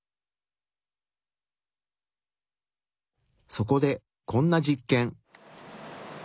そこでこんな実験。